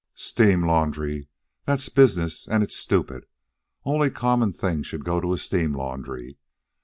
"Steam laundry. That's business, and it's stupid. Only common things should go to a steam laundry.